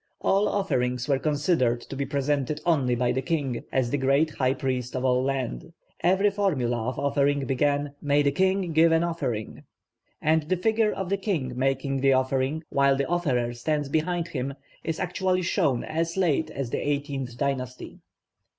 All offerings were considered to be presented only by the king, as the great high priest of all the land. Every formula of offering began 'May the king give an offering'; and the figure of the king making the offering, while the offerer stands behind him, is actually shown as late as the eighteenth dynasty.